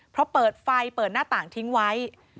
เพราะเปิดไฟเปิดหน้าต่างทิ้งไว้